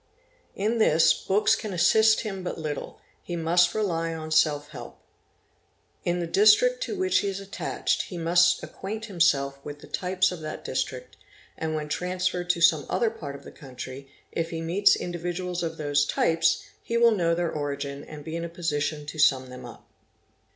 In this, books can assist him but little—he must rely on self help. In the district to which he is attached be must acquaint himself with the types of that district and, when transferred to some other part of the country, if he meets individuals of those types, he will know their origin and be in a position to sum them up.